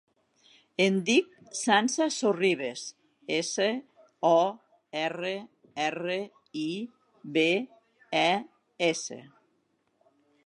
Em dic Sança Sorribes: essa, o, erra, erra, i, be, e, essa.